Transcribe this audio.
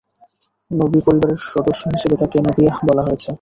নবী পরিবারের সদস্যা হিসাবে তাঁকে নাবিয়াহ বলা হয়েছে।